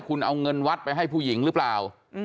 คุณเอาเงินวัดไปให้ผู้หญิงหรือเปล่า